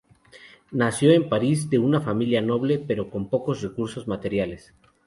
Nació en París, de una familia noble, pero con pocos recursos materiales.